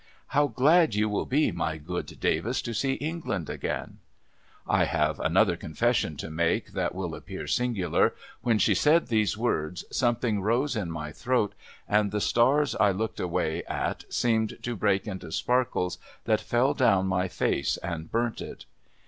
' How glad you will be, my good Davis, to see England again !' I have another confession to make that will appear singular. When she said these words, something rose in my throat ; and the stars I looked away at, seemed to break into sparkles that fell down my face and burnt it.